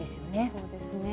そうですね。